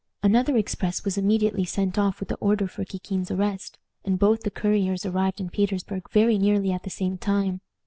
Another express was immediately sent off with the order for Kikin's arrest, and both the couriers arrived in Petersburg very nearly at the same time.